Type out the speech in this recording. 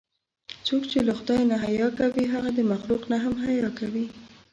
څوک چې له خدای نه حیا کوي، هغه د مخلوق نه هم حیا کوي.